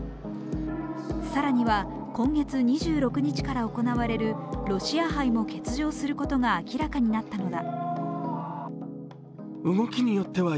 更には今月２６日から行われるロシア杯も欠場することが明らかになったのだ。